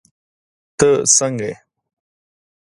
تہ سنګه یی